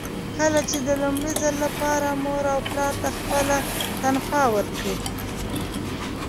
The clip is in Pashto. کله چې د لومړي ځل لپاره مور او پلار ته خپله تنخوا ورکړئ.